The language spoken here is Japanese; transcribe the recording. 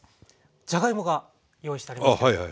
じゃがいもが用意してありますけれども。